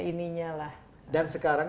ininya lah dan sekarang